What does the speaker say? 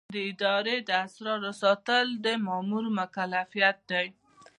د ادارې د اسرارو ساتل د مامور مکلفیت دی.